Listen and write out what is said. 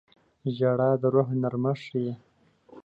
• ژړا د روح نرمښت ښيي.